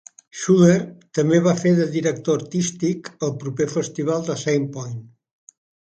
Schuller també va fer de director artístic al proper festival de Sandpoint.